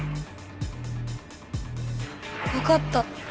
わかった。